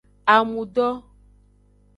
Amudo.